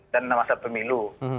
dan masa pemilu